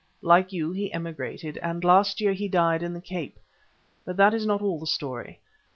Like you he emigrated, and last year he died in the Cape. But that is not all the story.